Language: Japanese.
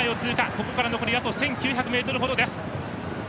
ここから残り１９００ｍほどです。